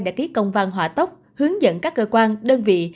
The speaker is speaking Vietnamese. đã ký công văn hỏa tốc hướng dẫn các cơ quan đơn vị